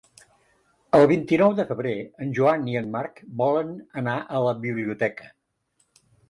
El vint-i-nou de febrer en Joan i en Marc volen anar a la biblioteca.